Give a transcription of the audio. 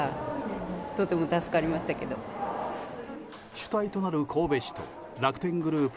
主体となる神戸市と楽天グループ